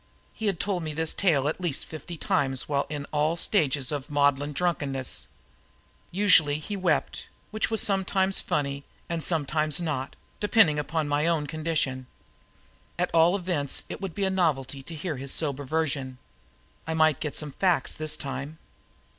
He had told me this tale at least fifty times while in all stages of maudlin drunkenness. Usually he wept which was sometimes funny and sometimes not, depending on my own condition. At all events it would be a novelty to hear his sober version. I might get at some facts this time.